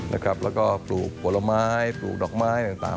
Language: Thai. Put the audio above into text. แล้วก็ปลูกผลไม้ปลูกดอกไม้ต่าง